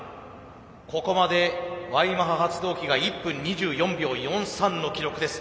ここまでＹマハ発動機が１分２４秒４３の記録です。